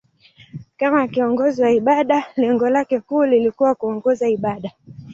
Kama kiongozi wa ibada, lengo lake kuu lilikuwa kuongoza ibada.